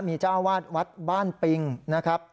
มีเจ้าอาวาสวัดบ้านปิงนะครับ